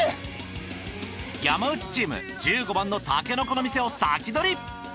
山内チーム１５番のタケノコの店を先取り！